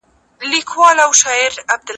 آیا دغه ناروغ د تنفس په برخه کې ستونزه لري؟